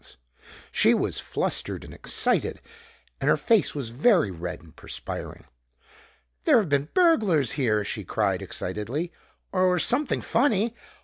She was flustered and excited, and her face was very red and perspiring. "There've been burglars here," she cried excitedly, "or something funny!